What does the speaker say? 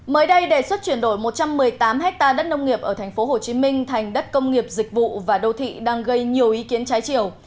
mới đây đề xuất chuyển đổi một trăm một mươi tám hectare đất nông nghiệp ở tp hcm thành đất công nghiệp dịch vụ và đô thị đang gây nhiều ý kiến trái chiều